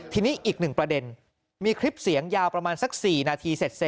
ทีนี้อีกหนึ่งประเด็นมีคลิปเสียงยาวประมาณสัก๔นาทีเสร็จ